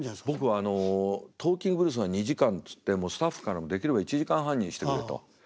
僕あの「トーキングブルース」が２時間っつってもうスタッフからも「できれば１時間半にしてくれ」と。